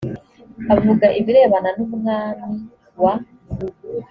avuga ibirebana n umwami wa